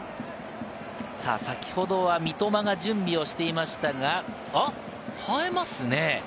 先ほどは三笘が準備をしていましたが、おっと、変えますね。